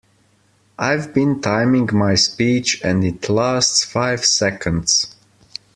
I've been timing my speech, and it lasts five seconds.